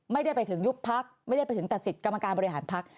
ไม่ได้ไปถึงยุบพักไม่ได้ไปถึงตัดสิทธิ์กรรมการบริหารพัก